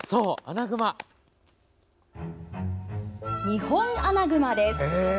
二ホンアナグマです。